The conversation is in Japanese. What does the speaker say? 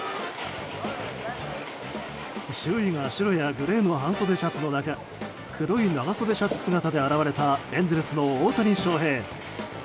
周囲が白やグレーの半袖シャツの中黒い長袖シャツ姿で現れたエンゼルスの大谷翔平。